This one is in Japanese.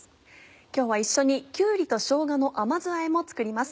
今日は一緒に「きゅうりとしょうがの甘酢あえ」も作ります。